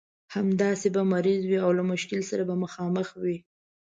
همداسې به مریض وي او له مشکل سره مخامخ وي.